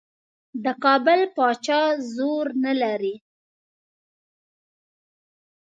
د کابل پاچا زور نه لري.